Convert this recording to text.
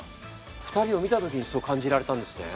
２人を見た時にそう感じられたんですね。